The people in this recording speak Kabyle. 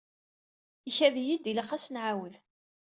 Ikad-iyi-d ilaq ad s-nɛawed.